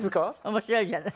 面白いじゃない。